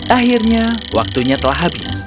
akhirnya waktunya telah habis